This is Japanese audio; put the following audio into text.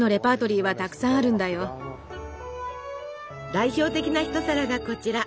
代表的な一皿がこちら。